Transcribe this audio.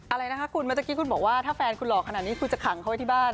อะไรนะคะคุณเมื่อตะกี้คุณบอกว่าถ้าแฟนคุณหล่อขนาดนี้คุณจะขังเขาไว้ที่บ้าน